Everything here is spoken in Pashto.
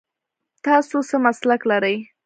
تاسو څه مسلک لرئ ؟